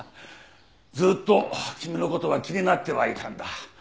ずっと君の事は気になってはいたんだ。